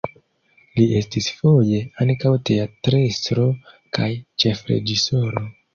Li estis foje ankaŭ teatrestro kaj ĉefreĝisoro.